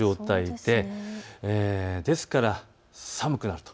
ですから、寒くなると。